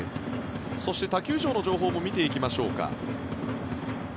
そして他球場の情報も見ていきましょうか。